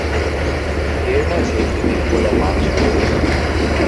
এর মাঝে একটি খোলা মাঠ রয়েছে।